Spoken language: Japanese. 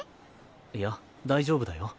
いや大丈夫だよ。